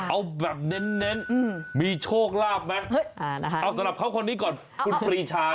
เอาแบบเน้นมีโชคลาภไหมเอาสำหรับเขาคนนี้ก่อนคุณปรีชา